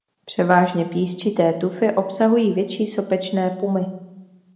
Převážně písčité tufy obsahují větší sopečné pumy.